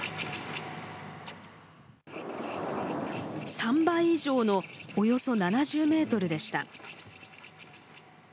３倍以上のおよそ７０メートルでした。